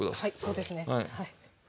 そうですねはい。